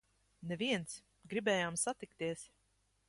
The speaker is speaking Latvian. Neviens! Gribējām satikties!